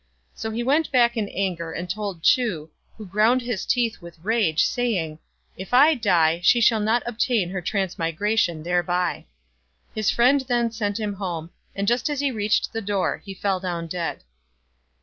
So he went back in anger and told Chu, who ground his teeth with rage, saying, " If I die, she shall not obtain her transmigra tion thereby." His friend then sent him home; and just as he reached the door he fell down dead.